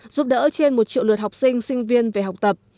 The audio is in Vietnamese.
giúp đỡ trên một triệu lượt học sinh sinh viên về học tập